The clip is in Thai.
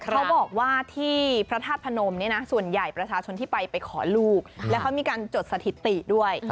เขาบอกว่าที่พระธาตุพนมเนี่ยนะส่วนใหญ่ประชาชนที่ไปไปขอลูกแล้วเขามีการจดสถิติด้วย